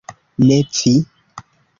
Ne vi!